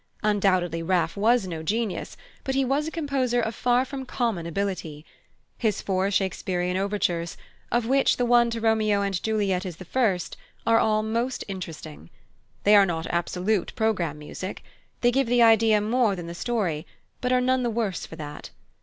Undoubtedly Raff was no genius, but he was a composer of far from common ability. His four Shakespearian overtures, of which the one to Romeo and Juliet is the first, are all most interesting. They are not absolute programme music. They give the idea more than the story, but are none the worse for that.